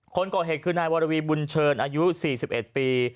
คนก่อเหตุคือนายวรวีบุญเชิญอายุ๔๑ปี